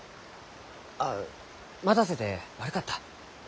あ待たせて悪かった。